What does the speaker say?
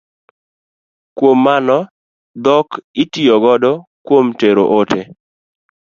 Kuom mano dhok itiyo godo kuom tero ote.